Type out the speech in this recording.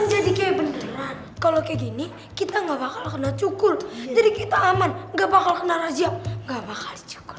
jadi kayak gini kita nggak bakal kena cukul jadi kita aman nggak bakal kena raja nggak bakal cukup